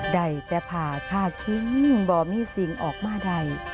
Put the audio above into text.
ได้แต่ผ่าค่าคิงบ่มิสิงออกมาได้